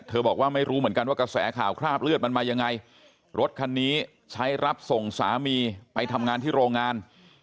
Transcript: บอกว่าไม่รู้เหมือนกันว่ากระแสข่าวคราบเลือดมันมายังไงรถคันนี้ใช้รับส่งสามีไปทำงานที่โรงงาน